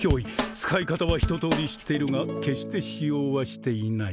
使い方は一とおり知っているが決して使用はしていない